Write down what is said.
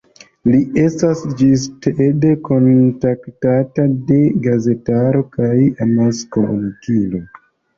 Li estas ĝistede kontaktata de gazetaro kaj amaskomunikiloj.